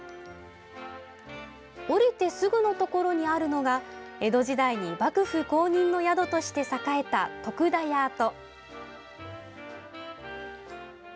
降りてすぐのところにあるのが江戸時代に幕府公認の宿として栄えた徳田屋跡。